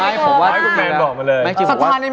อย่าว่าแมน